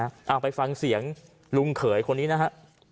เอาไปฟังเสียงลุงเขยคนนี้นะฮะ